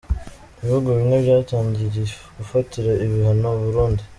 Ibihugu bimwe byatangiye gufatira ibihano u Burundi.